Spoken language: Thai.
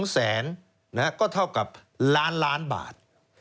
๒แสนก็เท่ากับล้านล้านบาท